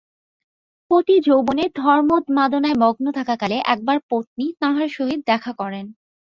পতি যৌবনে ধর্মোন্মাদনায় মগ্ন থাকাকালে একবার পত্নী তাঁহার সহিত দেখা করেন।